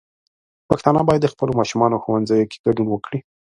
پښتانه بايد د خپلو ماشومانو ښوونځيو کې ګډون وکړي.